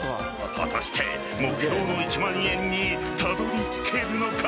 果たして目標の１万円にたどり着けるのか